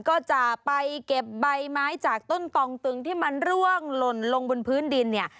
ก็จะไปเก็บใบไม้จากต้นตองตึงที่มันร่วงหล่นลงบนพื้นดินเนี่ย